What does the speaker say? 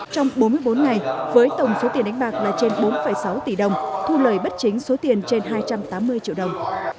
trong bốn mươi bốn ngày với tổng số tiền đánh bạc là trên bốn sáu tỷ đồng thu lời bất chính số tiền trên hai trăm tám mươi triệu đồng